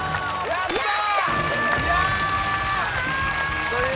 やったー！